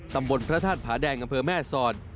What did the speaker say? ตำบลพระธาตุผาแดงอำเภอแม่สอด